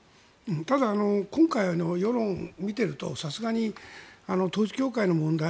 ただ今回の世論を見ているとさすがに統一教会の問題